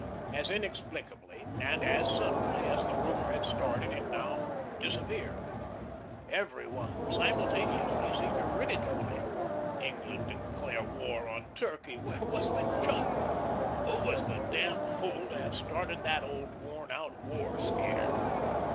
As inexplicably and as suddenly as the rumour had started, it now disappeared. Everyone, simultaneously, seemed to ridicule it. England declare war on Turkey! Where was the joke? Who was the damn fool to have started that old, worn out war scare?